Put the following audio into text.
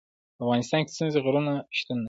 په افغانستان کې ستوني غرونه شتون لري.